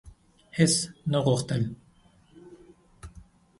هیڅ نه غوښتل: